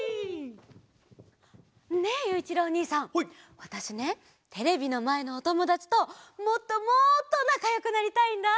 わたしねテレビのまえのおともだちともっともっとなかよくなりたいんだ。